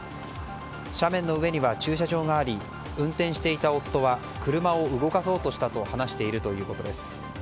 斜面の上には駐車場があり運転していた夫は車を動かそうとしたと話しているということです。